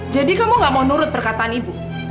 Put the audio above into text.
jadi kamu gak mau nurut perkataan ibu